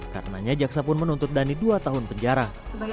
karenanya jaksa pun menuntut dhani dua tahun penjara